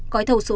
gói thầu số hai